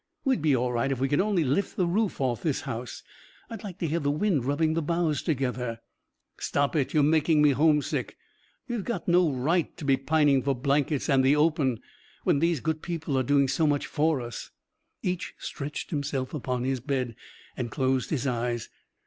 We'd be all right if we could only lift the roof off the house. I'd like to hear the wind rubbing the boughs together." "Stop it! You make me homesick! We've got no right to be pining for blankets and the open, when these good people are doing so much for us!" Each stretched himself upon his bed, and closed his eyes.